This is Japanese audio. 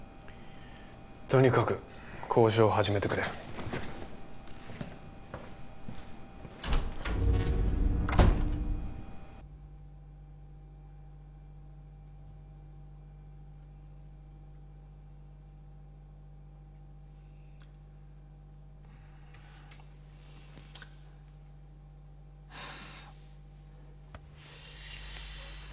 とにかく交渉を始めてくれはあ